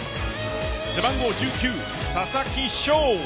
背番号１９・佐々木翔